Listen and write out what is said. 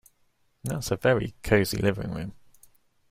That's a very cosy living room